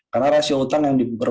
berasal dari urutan river